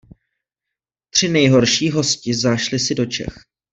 Tři nejhorší hosti zašli si do Čech.